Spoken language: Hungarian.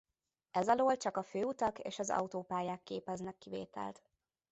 Ez alól csak a főutak és az autópályák képeznek kivételt.